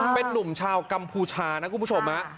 เป็นนุ่มชาวกัมพูชานะคุณผู้ชม